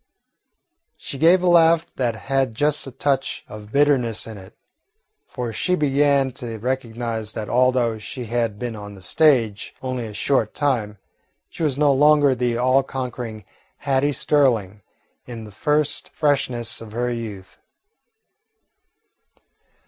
She gave a laugh that had just a touch of bitterness in it, for she began to recognise that although she had been on the stage only a short time, she was no longer the all conquering Hattie Sterling, in the first freshness of her youth.